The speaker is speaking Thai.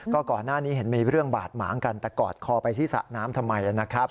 ก่อนหน้านี้เห็นมีเรื่องบาดหมางกันแต่กอดคอไปที่สระน้ำทำไมนะครับ